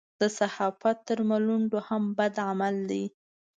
د صحافت تر ملنډو هم بد عمل دی.